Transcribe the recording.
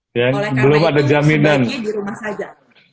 oleh karena itu sebagian di rumah saja